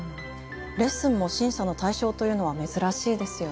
レッスンも審査の対象というのは珍しいですよね。